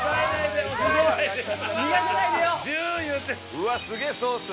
うわっすげえソース。